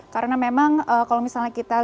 karena memang kalau misalnya kita lihat